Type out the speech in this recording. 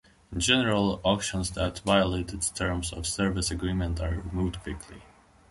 In general, auctions that violate its terms of service agreement are removed quickly.